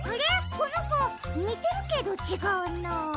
このこにてるけどちがうな。